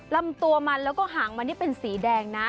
ลำตัวมันแล้วก็หางมันนี่เป็นสีแดงนะ